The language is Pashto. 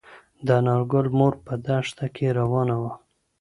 د انارګل مور په دښته کې روانه وه.